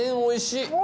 おいしい！